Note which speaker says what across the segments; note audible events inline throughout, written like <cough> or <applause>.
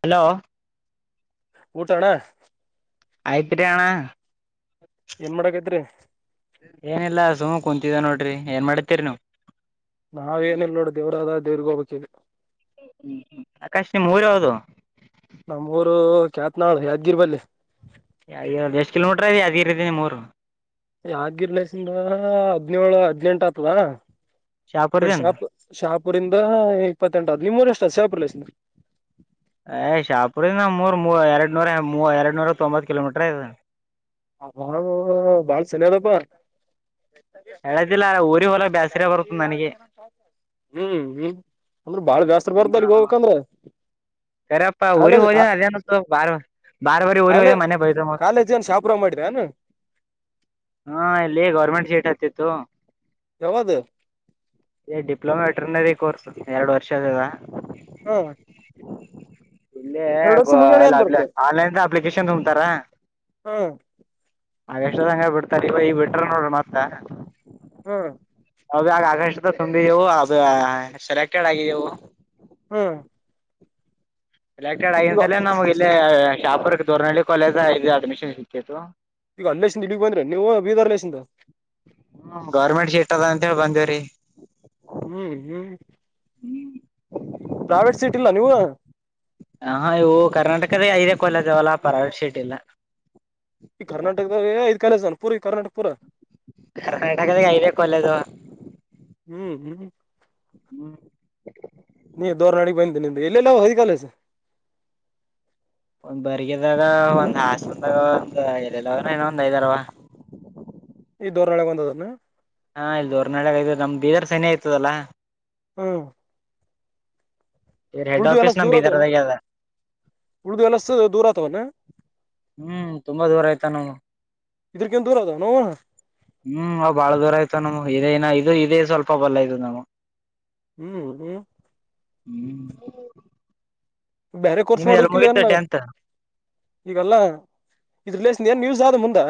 Speaker 1: hello
Speaker 2: ಊಟಣ್ಣ
Speaker 1: ಆತ್ರಿ ಅಣ್ಣ
Speaker 2: ಏನ್ ಮಾದಕಾತಿರಿ
Speaker 1: ಏನಿಲ್ಲ ಸುಮ ಕುಂತಿದ್ದ ನೋಡ್ರಿ ಏನ್ ಮಾಡತಿೇರಿ ನೀವು
Speaker 2: ನಾವೇಏನಿಲ್ಲ ನೋಡ ದೇವ್ರದ ದೇವ್ರಗ ಹೋಗ್ಕ್ಕೇವಿ
Speaker 1: ಹೂ ಆಕಾಶ್ ನಿಮ್ ಊರು ಯಾವುದು
Speaker 2: ನಮ್ಮ್ೂರು ಚ್ಯಾತ್ನಾು ಯದ್ಗಿರ್ಬಲ್ಲಿಿ
Speaker 1: ಎಷ್ಟು ಕಿಲೋಮೀಟರ್ದೆ ಅದಿರಿದ ಮೂರು
Speaker 2: ಯಗಿರ್ಲಸಿಂದ ಹದ್ಿನೇಳೇಳು ಹದ್ಿನೆಂಟ ಆತ್ವಾ ಇ ಕಡೆ
Speaker 1: ಶಾಪುರ್ದಿಂದ
Speaker 2: ಶಾಪ ಶಾಪ್ ಇರಿಂದ ಇಪ್ಪತ್ತೆಂಟುಾದ್ ನಿ ಮೂರುಷ್ಟು ಸೇಪುಲಸ್
Speaker 1: ಯ್ ಶಾಪುರ ನ ಮೂರ ಮೂ ಎರಡ್ ನೂರ ಮೂ ಎರಡ್ ನೂರ ತೊಂಬತ್ ಕಿಲೋಮೀಟ್ರ ಐದ
Speaker 2: ಬಾಳ್ ಸಾನಿ ಅದಪ್ಪಾ
Speaker 1: ಎಳತಿಲ್ಲ ಊರಿ ಹೊಲೆ ಬೇಸರ ಪರತನಗೆ
Speaker 2: ಹ್ಮ್ ಹ್ಮ್ ಅಂದ್ರ ಬಾಳ ಬ್ಯಸ್ರು ಬರ್ದ ಅಲ್ಲಿಗ್ ಹೋಗ್ಬೇಕಕ್ಂದ್ರ
Speaker 1: ಅರೆ ಪಾ ಊರಿ ಹಜೆ ಅದನು ಬಾರ ಬಾರ ಬಾರಿ ಓರಿ
Speaker 2: ಕಾಲೇ
Speaker 1: ಹೊೆ ಮನೆ ಭೈ ತ ಮ
Speaker 2: ಕಾಲೇಜ್ ಏನ್ ಶಾಪುರಾಗ ಮಾಡಿರ ಏನ್
Speaker 1: ಹಾ ಎಲ್ಲಿ ಗರ್ಮೆಂಟ್ ಶೇಟ್ ಹತ್ತತ್ತು
Speaker 2: ಯಾವ್ದ
Speaker 1: ಡಿಪ್ಲೊಮಾ ವೆಟ್ರನರಿ ಕೋರ್ಸ್ ಎರಡು ವರ್ಷ ಅದದ
Speaker 2: ಹೂ ಏನ್
Speaker 1: ಇಲ್ಲ
Speaker 2: ಬರುತ್ತೆ
Speaker 1: ಆನ್ಲೈನ್ ಅಪ್ಲಿಕೇಶನ್ ತುಂಬ್ತಾರ
Speaker 2: ಹೂ
Speaker 1: ಹಾಗ ಎಷ್ಟದಂಗ ಬಿಡ್ತಾರೆ ಇವ ಇ ಬಿಟ್ರ ನೋಡ್ರ ಮತ್ತ
Speaker 2: ಹಾ
Speaker 1: ಅದ ಆಗ ಆಗಷ್ಟ ತುಂಬಿದೆವು ಅದು ಸೆಲೆಕ್ಟೆಡ್ ಆಗಿದೆೆವು
Speaker 2: ಹೂ
Speaker 1: ಸೆಲೆಕ್ಟೆಡ್ ಆಗಂದ ಸಲ ನಮಗೆ ಇಲ್ಲಿೇ ಶಾಪುರಕ್ಕೆ ದೂರ್ನಹಳ್ಳಿ ಕಾಲೇಜ ಇದು ಅಡ್ಮಿಷನ್ ಸಿಕ್ಕಿತ್ತು
Speaker 2: ಈಗ ಅಲ್ಲಸನ್ ಇಿಗ್ ಬಂದ್ರ ನೀವು ಬೀದರ್ ಅರ್ಲಸಿಂದ
Speaker 1: ಹತದ ಅಂತ ಹೇಳಿ ಬಂದೇವ್ರರಿ
Speaker 2: ಹ್ಮ್ ಹ್ಮ್ ಪ್ರೈವೇಟ್ ಸೀಟ್ ಇಲ್ಲ ನೀವು
Speaker 1: ಹ ಇವು ಕರ್ನಾಟಕದ ಐದೆ ಕೊಲದಾವಲ್ಲ ಪರಾವ ಶೆಟ್ ಇಲ್ಲ
Speaker 2: ಈ ಕರ್ನಾಟಕದಾಗಐ್ ಕಾಲೇಜ್ದಾನ ಪೂರಿ ಕರ್ನಾಟಕ ಪೂರ
Speaker 1: ಕರ್ನಾಟಕದಾಗ ಐದ ಕೊಲ್ಲದು
Speaker 2: ಹ್ಮ್ ಹ್ಮ್
Speaker 1: ಹ್ಮ್
Speaker 2: ನೀ ದೋರ್ನಾಡಿಿಗೆ ಬಯಂದ ನಿಮ್ದ ಇಲ್ಲೆಲ್ಲ ಹದ ಕಾಲಸ
Speaker 1: ಒಂದ್ ಬರ್ಗದಾಗ ಒಂದ್ ಹಾಸಂದಾಗ ಒಂದ್ ಎರಲ್್ರ ಏನ ಒಂದ್ ಐದಾರವ
Speaker 2: ಈ ೋರ್ರಣಳಗೆ ಒಂದದನ್ನು
Speaker 1: ಹಾ ಇಲ್ದುರ್ನಾಾಳ ಆ ನಮ್ ಬೀದರ್ ಸನಿ ಆಯತದಲ್ಲಾ
Speaker 2: ಹ್ಮ
Speaker 1: ಇವ್ರ ಹೆಡ್
Speaker 2: ಉರ್್ದು ಎಲ್ಲ
Speaker 1: ಆಫೀಸ್ ನಮ್
Speaker 2: ದೂರ ಆತವ
Speaker 1: ಬೀದರ್ದಾಗೆ ಅದ
Speaker 2: ಉಳ್ದು ಎಲ್ಲ ದೂರ ಆತವಣ
Speaker 1: ಹ್ಮ್ ತುಂಬಾ ದೂರ ಆಯ್ತ ನವು
Speaker 2: ಇದ್ರಕ ನ್ ದೂರ ಅದಾವ ನೋಣ
Speaker 1: ಹ್ಮ್ ಅವ್ ಬಾಳ ದೂರ ಆಯ್ತ ನ ಇದನ ಇದು ಇದೇ ಸ್ವಲ್ಪ ಬಲ್ಲ ಆಯ್ತದ ನಾವ
Speaker 2: ಹ್ಮ್ ಹ್ಮ
Speaker 1: ಹ್ಮ್
Speaker 2: ಬೇರೆ ಕೋರ್ಸ್
Speaker 1: ನಿಮ್ದ ಎಲ್
Speaker 2: ಮಾಡಕಲ
Speaker 1: ಮುಗಿತ
Speaker 2: ಅನ್ನ
Speaker 1: ಟೆಂತ್
Speaker 2: ಈಗಲ್ಲ ಇದ ರಿಲೇಶನ್ ಏನ್ ನ್ಯಸ್ ಆದ ಮುಂದೆ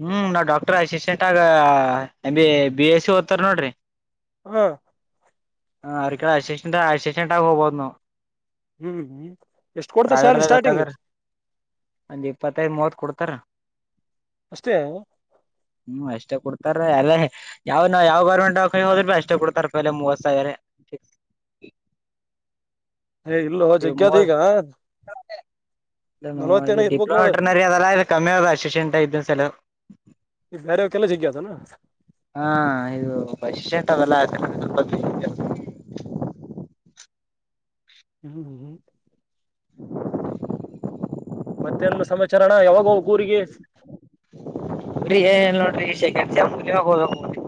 Speaker 1: ಹ್ಞೂ ನಾವು ಡಾಕ್ಟ್ರ ಅಸಿಸ್ಟೆಂಟಗ M B B S C ಓದ್ತಾರೆ ನೋಡಿ್ರರಿ
Speaker 2: ಹ್ಮ
Speaker 1: ಹ್ಮ್ ಅರಿಕ ಅಸಿಸ್ಟೆಂಟ್ ಅಸಿಸ್ಟೆಂಟ್ ಆಗ ಹೋಗ್ಬೋದ ನಾವ್
Speaker 2: ಹ್ಮ್ ಹ್ಮ್ ಎಷ್ಟ ಕೊಡ್ತ ಸ್ಯಾಲ್ರಿ
Speaker 1: ಪ್ರೈವೇಟ್ದಾಗ
Speaker 2: ಸ್ಟಾರ್ಟಿಂಗ್
Speaker 1: ಬೇಕಾದ್ರ ಒಂದ್ ಇಪ್ಪತ್ತೈದ ಮೂವತ್ ಕೊಡ್ತಾರ
Speaker 2: ಅಷ್ಟೇ
Speaker 1: ಹ್ಮ ಅಷ್ಟೇ ಕೊಡ್ತಾರೆ ಎಲ್ಲ ಯಾವ್ ನಾವ್ ಯಾವ ಗರ್ಮೆಂಟ್ ದವಖಾನಿಗ ಹೋದುರ್ಬಿ ಅಷ್ಟೇ ಕೊಡ್ತಾರ ಪೈಲೆ ಮೂವತ್ಸ್ ಸಾವಿರೆ
Speaker 2: ಏ ಇಲ್ಲೋ ಜಗ್ಗ್ಯದ ಈಗಾ
Speaker 1: ಇದನೋ ಇದು ಡಿಪ್ಲೊಮ್
Speaker 2: ನೋಡ
Speaker 1: ವೆಟ್ರನರಿ ಅದಲ್ಲ ಇದು ಕಮ್ಮಿ ಅದಾ ಅಸಿಸೆಂಟ್ ಇದ್ದಿ ಸಲ್ಯಕ್
Speaker 2: <unintelligible> ಜೆಗ್ಗಿ
Speaker 1: ಹಾ ಇದು <unintelligible> <unintelligible>
Speaker 2: ಹ್ಮಹ್ಮ
Speaker 1: <inaudible>
Speaker 2: ಮತ್ತೆನ್ನ ಸಮಾಚಾರಣ್ಣ ಯಾವಾಗ ಹೋಗ್ಬೇಕ ಊರಿಗಿ
Speaker 1: ಎಕ್ಸಾಮ್ ಮುಗಿದೀಮ್ಯಾಗ್ ಹೋಬೇಕ ಊರಿಗಿ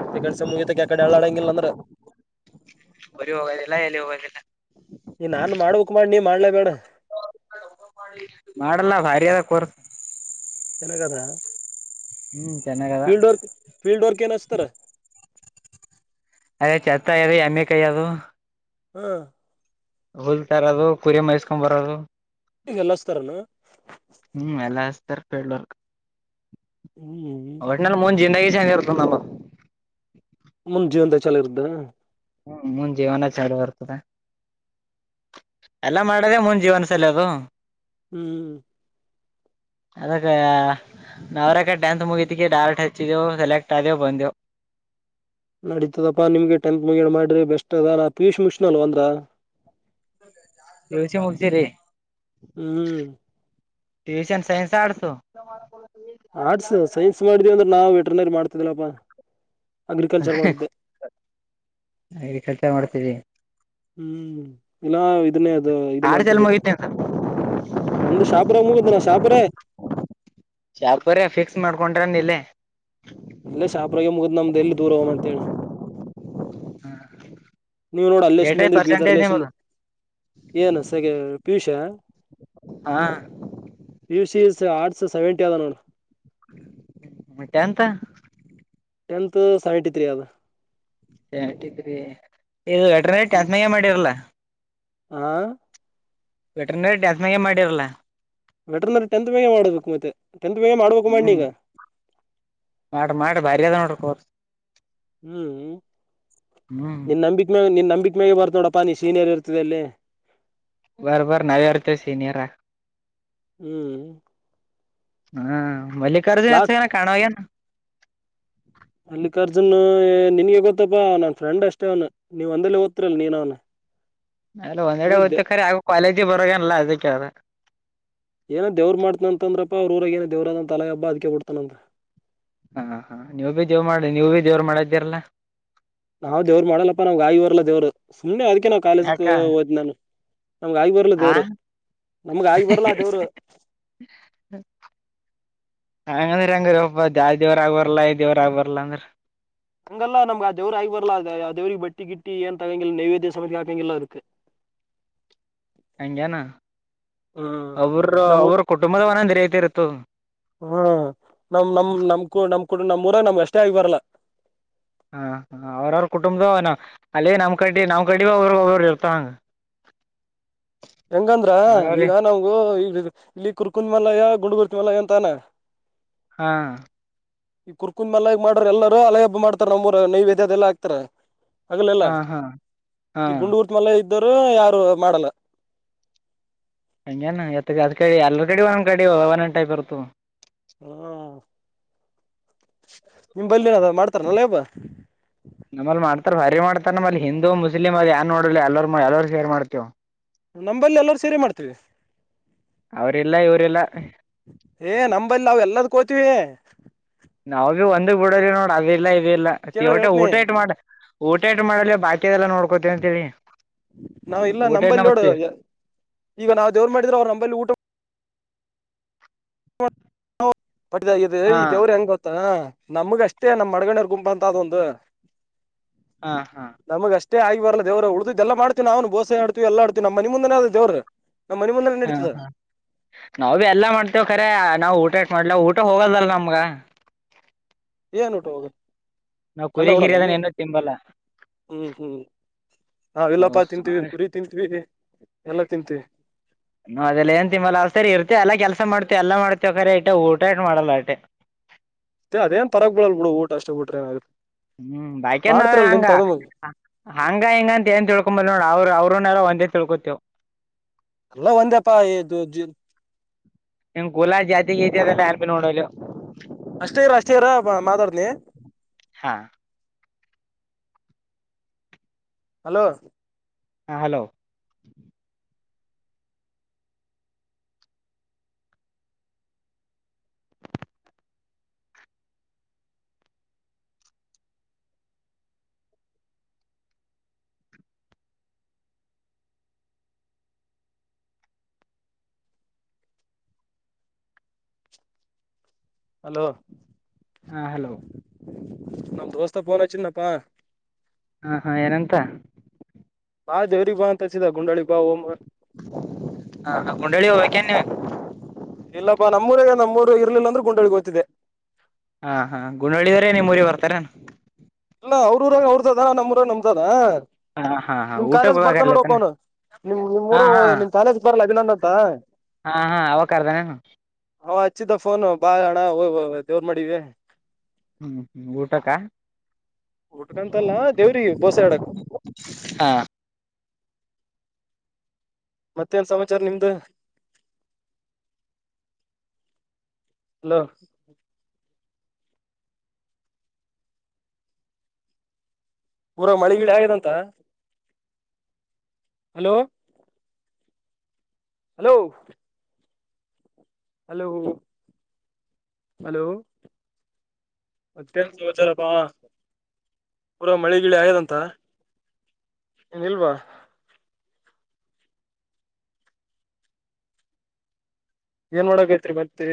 Speaker 2: ಮತ್ತೆ ಕೆಲ್ಸ ಮುಗಿತಕ್ಕೆ ಆ ಕಡೆ ಅಳ್ಳಾಡಂಗಿಲ್ಲ ಅಂದ್ರ
Speaker 1: ಊರಿಗ ಹೋಗದಿಲ್ಲ ಎಲ್ಲಿ ಹೋಗದಿಲ್ಲ
Speaker 2: ನೀ ನಾನ್ ಮಾಡ್ಬೇಕ್ ಮಾಡಿ ನೀ ಮಾಡ್ಲೇಬೇಡ
Speaker 1: ಮಾಡಲ್ಲ ಭಾ ಏದಾ ಕೊರ್
Speaker 2: ನನಗ ಅದಾ
Speaker 1: ಚೆನ್ನಾಗದ
Speaker 2: ಫೀಲ್ಡ್ ವರ್ಕ್ ಫೀಲ್ಡ್ ವರ್ಕ್ ಎನ್ ಹಸ್ತಾರ್
Speaker 1: ಅದೆ <unintelligible> ಎಮ್ಮಿ ಕೈಯದು
Speaker 2: ಹ್ಮ್
Speaker 1: ಹುಲ್ ತರದು ಕುರಿ ಮೈಸ್ಕೊಂಡ್ ಬರೋದು
Speaker 2: ಹಿಂಗ್ ಎಲ್ಲಾ ಹಸ್ತಾರನ
Speaker 1: ಹಸ್ತಾರ್ ಫೀಲ್ಡ್ ವರ್ಕ್
Speaker 2: ಹ್ಮ್
Speaker 1: ಒಟ್ಟನಲ್ ಮುಂದ್ ಜಿಂದಗಿ <unintelligible> ಆಗಿರ್ತದ ನಮ್ದು
Speaker 2: ಮುಂದ್ ಜೀವನದಗ ಚಲೋ ಇರದನ
Speaker 1: ಹ್ಮ್ ಮುಂದ್ ಜೀವನ ಚಲೋ ಇರ್ತದ ಎಲ್ಲಾ ಮಾಡದೆ ಮುಂದ ಜೀವನ ಸಲ್ಯಾದು
Speaker 2: ಹ್ಮ್
Speaker 1: ಅದಕ್ಕ ನಾವರಕ ಟೆಂತ್ ಮುಗಿತಿಕಿ ಡೈರೆಕ್ಟ್ ಹಚ್ಚಿದೆವು ಸೆಲೆಕ್ಟ್ ಆದೇವು ಬಂದೆವು
Speaker 2: <inaudible> ನಡೀತದಪ್ಪಾ ನಿಮ್ಗೆ ಟೆಂತ್ ಮುಗ್ಯಣ್ಣ ಮಾಡ್ರಿ ಬೆಸ್ಟ್ ಅದ ನಾ ಪಿಯುಸಿ ಮುಗಿಸಿನಲೋ ಅಂದ್ರ
Speaker 1: ಪಿಯುಸಿ ಮುಗಿಸಿರಿ
Speaker 2: ಹ್ಮ್
Speaker 1: tuition science arts
Speaker 2: arts science ಮಾಡಿದೀವಿ ಅಂದ್ರ ನಾವ್ ವೆಟ್ರನರಿ ಮಾಡ್ತಿದಿಲ್ಲಪ್ಪಾ ಅಗ್ರಿಕಲ್ಚರ್ ಮಾಡುತ್ತೆ
Speaker 1: ಅಗ್ರಿಕಲ್ಚರ್ ಮಾಡ್ತೀರಿ
Speaker 2: ಹ್ಮ್ ಇಲ್ಲ ಇದನ್ನೇ ಅದು ಇದು
Speaker 1: ಆಡ್ಸಲ್
Speaker 2: ಮಾಡ್ತಿದ್ದೆ
Speaker 1: ಮುಗಿತೇನ್
Speaker 2: ನಮ್ದು ಶಾಪುರ ಮೂಗಿದ್ ನ ಶಾಪುರೆ
Speaker 1: ಶಾಪುರೆ ಫಿಕ್ಸ್ ಮಾಡ್ಕೊಂಡ್ರೆನ್ ಇಲ್ಲೆ
Speaker 2: ಇಲ್ಲೆ ಶಾಪ್ರಗೆ ಮುಗಿದ್ ನಮ್ದು ಎಲ್ಲಿ ದೂರ ಹೋಗಮ್ ಅಂತೇಳಿ ನೀವ್ ನೋಡ ಅಲ್ಲೇಶ
Speaker 1: ಏಟ
Speaker 2: ಮಂದ್ರಿ ಬೀದರ್
Speaker 1: ಪರ್ಸೆಂಟೇಜ್
Speaker 2: ಲೇಶನ್
Speaker 1: ನಿಮದು
Speaker 2: ಏನ್ ಸಗ್ಯ ಪಿಯುಸಿಯಾ
Speaker 1: ಹಾ
Speaker 2: ಪಿಯುಸಿ ಇಸ್ ಆರ್ಟ್ಸ್ ಸೆವೆಂಟಿ ಆದ ನೋಡ
Speaker 1: ಮತ್ತ ಟೆಂತ್
Speaker 2: ಟೆಂತ್ ಅ ಸೆವೆಂಟಿ ತ್ರೀ ಅದ
Speaker 1: ಸೆವೆಂಟಿ ತ್ರಿ ಇದು ವೆಟರ್ನಟಿ ಮಾಡಿರಲ್ಲ
Speaker 2: ಹ
Speaker 1: ಇಂಟರ್ನೆಟ್ ಅದರ್ಮ್ಯಾಗೆ ಮಾಡಿರಲ್ಲ
Speaker 2: ವೆಟರ್ನರಿ ಟೆಂತ್ ಬೇಗ ಮಾಡ್ಬೇಕು ಮತ್ತೆ ಟೆಂತ್ ಬೇಗೆ ಮಾಡ್ಬೇಕು ಮಾಡಿಗ
Speaker 1: ಮಾಡ ಮಾಡ ಬಾರಿ ಅದ ನೋಡ್ರಿ ಕೋ
Speaker 2: ಹ್ಮ್
Speaker 1: ಹ್ಮ್
Speaker 2: ನೀನ್ ನಂಬಿಕೆ ಮ ನೀ ನಂಬ ಕ್ ಮೇಾಗ ಬರ್ತ ನೋಡ ಪಾನಿ ಸೀನರ್ ಇರ್ತದೆ ಅಲ್ಲಿ
Speaker 1: ಬರಬರ್ ನವರ್ತ ಸೀನಿಯರ್ ರ
Speaker 2: ಹ್ಮ್
Speaker 1: ಹಾ ಮಲ್ಲಿಕಾರ್ಜುನ
Speaker 2: ಕ್ಲಾಸ್
Speaker 1: ಎತ್ತ ಕಾಣಲಾಗಿನ್
Speaker 2: ಮಲ್ಲಿಕಾರ್ಜುನ್ ನಿನ್ಗೆ ಗೊತ್ತಪ್ಪಾ ನನ್ ಫ್ರೆಂಡ್ ಅಷ್ಟೇ ಅವ್ನು ನೀವ್ ಒಂದೇ ಓದ್ತಿರಲ್ ನೀನ್ ಅವ್ನ <unintelligible>
Speaker 1: ಅ್ರಒಂದ್ೆಡೆ
Speaker 2: ಏನದ್ದೆ
Speaker 1: ಹದ್ತಖರೆ ಆಗ ಕ್ವಾಲೇಜಿ ಬರೋಲ್ಲ ಅದಕ್ಕೆ್ರ
Speaker 2: ಏನೋ ದೇವ್ರ ಮಾಡತನ ಅಂತಂದ್ರಪ್ಪ ಅವ್ರ ಊರಾಗ ಏನ ದೇವ್ರರದ ಅಂತ ತಲೆ ಹಬ್ಬ ಅದಕೆ ಬಿಡ್ತಾನಂತ
Speaker 1: ಹಾ ಹಾ ನೀವ ಭೀ ದೇವ್ ಮಾಡ ನೀವ್ ಭೀ ದೇವ್ರ ಮಾಡಿದ್ದೀರಲ್ಲ
Speaker 2: ನಾವ್ ದೇವ್ರು ಮಾಡಲ್ಲಪ್ಪ ನಾ್ ಆಗ್ಗಿಬರಲ್ಲದವರು ಸುಮ್ಮನೆ ಅ ಯಾಕೆ ನಾವ್ ಕಾಲೇಜ
Speaker 1: ಯಾಕ
Speaker 2: ಹೋದ್ ನಾನು ನಮ್ಗ ಆಗಿ ಬರ್ಲ
Speaker 1: ಆ
Speaker 2: ದೇವ್ರು ನಮ್ಗ ಆಗಿ ಬರ್ಲ್ಲಾ ದೇವರು
Speaker 1: ಹ್ಮ ಹಂಗಂದ್ರಿ ಹಂಗ್ರೀ ಒಬ್ಬ ದ ದೇವರ ಆಗ್ಬರ್ಲ್ಲ ಈ ದೇವ್ರ ಆಗ್ಬರ್ಾ ಅಂದ್ರ
Speaker 2: ಹಂಗಲ್ಲ ನಮ್ಗೆ ಅ ದವರು ಆಗಿ ಬರ್ಲ್ಲ ಅ ದವ್ರಿಗೆ ಬಟ್ಟಿಟ್ಟಿ ಏನ್ ತಗೋಂಗಿಲ್ಲ ನೈವೇದ್ಯ ಸಮಕ್ಕೆ ಆಕೋಂಗಿಲ್ಲ ಅದಕ್ <unintelligible>
Speaker 1: ಹಂಗಗೆನಾ
Speaker 2: ಹ್ಮ್
Speaker 1: ಅವ್ರ
Speaker 2: ನಮ್
Speaker 1: ಅವ್ರ ಕುಟುಂಬದವನಂದರಿತಿ ಇರುತ್ತು
Speaker 2: ಹಾ ನಮ್ ನಮ್ ನಮ್ಕೂ ನಮ್ ಕುೂಡ ನಮ್ಮ್ ಊರ ನಮ್ ಅಷ್ಟೇ ಆಗ ಬರಲ್ಲ
Speaker 1: ಹಾ ಅವ್ರವ್ರ ಕುಟುಂಬದ್ದ ಅಲ್ಲಿ ನಮ್ ಕಡ್ ನಮ್ಮ್ ಕಡ್ಡಿ ಒ್ರ ಒಬರು ಇರ್ತ ಹಂಗ
Speaker 2: ಹೆಂಗಂದ್ರ
Speaker 1: ಹಾಗಾರಿ
Speaker 2: ಈಗ ನಮಗು ಈ ಇಲ್ಲಿ ಕುರ್ಕುಂದ ಮಲಯ ಗುಂಡಗುರ್ತಿ ಮಲಯ ಅಂತಾನ
Speaker 1: ಹಾ
Speaker 2: ಈ ಕುರ್ಕುಂದ ಮಲ್ಲ ಈಗ ಮಾಡ್ರ ಎಲ್ಲರೂ ಹಲೇ ಹಬ್ ಮಾಡ್ತಾರ ನಮ್ಮರು ನೈವೇದ್ಯದ ಎಲ್ಲಾ ಹಾಕ್ತಾರ ಆಗ್ಲಲ್ಲ
Speaker 1: ಹಾ ಹಾ ಹಾ
Speaker 2: ಈ ಗುಂಡು ಊಟ್ ಮಲೆ ಇದ್ದರು ಯಾರು ಮಾಡಲ್ಲ
Speaker 1: ಹಂಗೆನು ಎತ್ತ ಅದ ಕಡೆ ಎಲ್ಲಗಡೆ ಒಂದು ಕಡೆಡಿ ಒನ್ ಎ ಟೈಪ್ ಇರುತು
Speaker 2: ಹ್ಮ ನಿಮ್ಮ್ ಬಲ್ಲಿನ ಮಾಡ್ತಾರನಲ್ಲ ಅಲಿದ್
Speaker 1: ನಮ್ಮಲ್ ಮಾಡ್ತಾರ ಭರಿ ಮಾಡ್ತಾರ ನಮ್ಮಲ್ಲಿ ಹಿಂದೂ ಮುಸ್ಲಿಮ ಅದ ಯಾರನ್ ನೋಡಲಿ ಎಲ್ಲ ಎಲ್ಲರ್ ಸೇರ್ ಮಾಡ್ತೇವ
Speaker 2: ನಂಬಲ್ಲಿ ಎಲ್ಲರೂ ಸೇರಿ ಮಾಡ್ತೀವಿ
Speaker 1: ಅವ್ರಿಲ್ಲ ಇವ್ರಿಲ್ಲ
Speaker 2: ಏ ನಂಬಂಬಲ್ಲಿ ನ ಎಲ್ಲದ ಕೋತೀವಿ
Speaker 1: ನಾವವು ಭಿ ಒಂದ ಬಿಡದವಿ ನೋಡ ಅದ ಇಲ್ಲ ಇ ಇಲ್ಲ
Speaker 2: ಕೇಳ
Speaker 1: ಹೊಟ
Speaker 2: ಹೇಳ್ತನಿ
Speaker 1: ಊಟಾಟ ಮಾಡ ಊಟಾಟ ಮಾಡ ಬಾಕ ನೋಡ್ಕೋತೀವಿ ಅಂತ ಹೇಳಿ
Speaker 2: ನಾವ್ ಇಲ್ಲ ನಂಬಲಿನೊಡ್ಡ ಈಗ ನಾವು ದೇವ್ ಮಾಡಿದ್ರರು ಅವ್ರು ನಂಬಲ್ಲಿ ಊಟ ಪಟ್ಟಿದಗಿದ್ದ
Speaker 1: ಹಾ
Speaker 2: ಈ ದೇವ್ರ ಹೆಂಗ್ ಗೊತ್ತ ನಮ್ಗ ಅಷ್ಟೇ ನಮ್ ಮಡಗಣ್ರ ಗುಂಪಾ ಅಂತ ಅದೊಂದು
Speaker 1: ಹಾ ಹಾ
Speaker 2: ಅಷ್ಟ ಆಗಿ ಬಲ್ಲ ದವರ ಉಡ್ದುಲ್ಲಾ ಮಾಡತೀವಿ ನ್ನು ಬೋಸೆ ಆಡ್ತಿವಿ ಎಲ್ಲಾಡ್ತೀ ನಮ್ಮ ಮನೆ ಮುಂದೆ ಆದ ದೇವರು
Speaker 1: ಹಾ ಹಾ ನಾವ ಭ ಎಲ್ಲ ಮಾಡ್ತ ತೇವ ಖರೆ ನಾವ್ ಊಟ ಇಟ್ ಮಾಡ್ಲ ಊಟ ಹೋಗದಲ್ಲ ನಮ್ಗ
Speaker 2: ಏನ್ ಟು ಹೋಗ
Speaker 1: ನಾವ್
Speaker 2: ಕಂಡ
Speaker 1: ಕುರಿ ಗಿರಿ
Speaker 2: ಉಣಲ್ಲ
Speaker 1: ಅದನ್
Speaker 2: ನೀವು
Speaker 1: ಏನು ತಿಂಬಲ್ಲ
Speaker 2: ಹ್ಮ್ ಹ್ಮ್ ಹಾ ವಿಲ್ಲಪ್ಪ ತಿಂತೀವಿ ಕುರಿ ತಿಂತೀವಿ ಎಲ್ಲಾ ತಿಂತೀವಿ
Speaker 1: ನಾ ಅದೆಲ್ಲ ಏನ್ ತಿಮ್ಮಲ್ಲ ಆ ಸರಿ ಇರುತ್ತ ಅಲ್ಲಾ ಕೆಲ್ಸ ಸ ಮಾಡ್ತೇವಿ ಎಲ್ಲ ಮಾಡ್ತೇವಿಖಾರೆ ಇಟ ಊಟಾಟ ಮಾಡಲ್ಲ ಅಟೆ
Speaker 2: ಅದೇನ್ ಪರಗ್ ಬಿಳಲ್ ಬಿಡ ಊಟ ಅಷ್ಟ ಊಟ ಏನ ಆುತ್ತೆ
Speaker 1: ಹ್ಮ್ ಬಾಕಂದ ನಾವ ಹಂಗ ಹಂಗ ಹಿಂಗ ಅಂತ ಏನ್ ತಿಳ್ಕೊಂಬಲ್ ನೋಡ ಅವ್ರರು ಅವ್ರನ್ನೆಲ್ಲ ಒಂದೇ ತಿಳ್ಕೊತೇವು
Speaker 2: ಎಲ್ಲಾ ಒಂದೆಪ್ಪಾ ಇದು
Speaker 1: ನಿ ಕುಲ ಜಾತಿಗೆ ಎಲ್ಲಾ ಯಾನ ನೋಡಲೇವ್
Speaker 2: ಲೆ
Speaker 1: ಹಾ
Speaker 2: ಹಲೋ
Speaker 1: ಹಾ ಹಲೋ
Speaker 2: ಹಲೋ
Speaker 1: ಹಾ ಹಲೋ
Speaker 2: ನಮ್ಮ ದೋಸ್ತ ಫೋನ್ ಹಚ್ಚಿದ್ನಪ್ಪಾ
Speaker 1: ಹಾ ಹಾಂ ಏನಂತ
Speaker 2: ಬಾ ದೇವ್ರಿಗ ಬಾ ಅಂತಹಚಿ ಗುನಲ್ಲಿ
Speaker 1: ಹ ಗುಂಡಳ್ಳಿ ಹೋಗ್ಬೇಕೇ ನೀವು
Speaker 2: ಇಲ್ಲಪ್ಪಾ ನಮ್ಮೂರಿಗೆ ನಮ್ಮೂರು ಇರ್ಲಿಲ್ಲ ಅಂದ್ರೆ ಗಂಡಳ್ಳಿ ಗೊತ್ತಿದೆ
Speaker 1: ಹಾ ಹಾ ಗುಂಡಳ್ಳಿದ್ರೇ ನಿಮ್ಮೂಊರಿಗೆ ಬರ್ತಾರ
Speaker 2: ಇಲ್ಲ ಅವ್ರೂಊಾಗ ಅವ್ರದದ ನಮ್ಮೂಊರಾಗ ನಮದಾದ
Speaker 1: ಹಾ ಹಾ ಹಾ
Speaker 2: ನಿಮ್
Speaker 1: ಊಟಕ್
Speaker 2: ಕಾಲೇಜ ಬರ್ತಾನ ನೋಡಪ್ಪ
Speaker 1: ಹೋಗಾರ್ಲತನ
Speaker 2: ಅವನು ನಿಮ್ ನಿಮ್
Speaker 1: ಹಾ
Speaker 2: ಊರು
Speaker 1: ಹಾ
Speaker 2: ನಿಮ್ ಕಾಲೇಜ ಬರ್ಲ ಅಭಿನಂದಂತ
Speaker 1: ಹಾ ಹಾ ಅವಾಕರದಾನೇನೋ
Speaker 2: ಹ್ ಹಚ್ಚಿದ್ದ ಫೋನ್ ಬಾ ಯಣ ಹ ದೇವ್ರ ಮಾಡಿವಿ
Speaker 1: ಹ್ಮ್ ಹ್ಮ್ ಊಟಕ
Speaker 2: ಊಟ್ಕಂತಲ್ಲ ದೇವ್ರಿ ಬೋಸ ಆಡಕ್
Speaker 1: ಹಾ
Speaker 2: ಮತ್ತೇನ್ ಸಮಾಚಾರ ನಿಮ್ದ ಹಲೋ ಪೂರಾ ಮಳೆಗೆಳೆ ಆಗಿದೆಂತ ಹಲೋ ಹಲೋ ಹಲೋ ಹಲೋ ಮತ್ತೇನ್ ಸಮಾಚಾರ ಅಪ್ಪ ಪೂರಾ ಮಳಿ ಗಿಳಿ ಆಯದಂತ ಇನ್ ಇಲ್ವಾ ಏನ್ ಮಾಡೋಕೈತ್ರಿ ಮತ್ತೆ